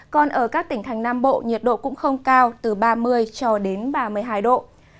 còn ở các tỉnh thành nam bộ nhiệt độ cũng không cao từ ba mươi cho đến ba mươi hai độ